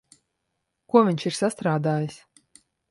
Ko viņš ir sastrādājis?